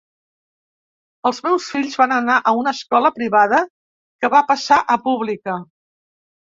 Els meus fills van anar a una escola privada que va passar a pública.